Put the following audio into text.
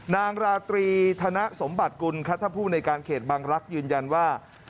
นางราตรีธนสมบัติกุลครับถ้าผู้ในการเขตบางรักษ์ยืนยันว่า